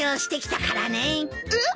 えっ？